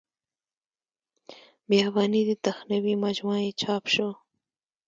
بیاباني دې تخنوي مجموعه یې چاپ شوې.